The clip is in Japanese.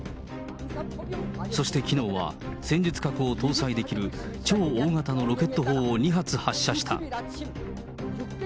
そしてきのうは、戦術核を搭載できる超大型のロケット砲を２発発射した。